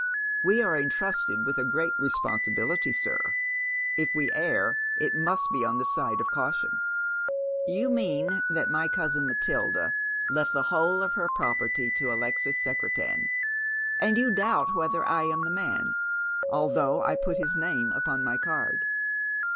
We are entrusted with a great responsibility, sir. If we err it must be on the side of caution." " You mean that my cousin Matilda left the whole of her property to Alexis Secretan, and you doubt whether I am the man, although I put his name upon my card."